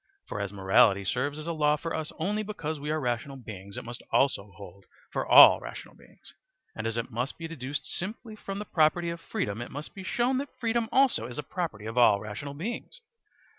For as morality serves as a law for us only because we are rational beings, it must also hold for all rational beings; and as it must be deduced simply from the property of freedom, it must be shown that freedom also is a property of all rational beings.